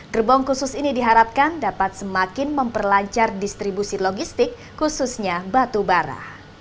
gerbong khusus ini diharapkan dapat semakin memperlancar distribusi logistik khususnya batu bara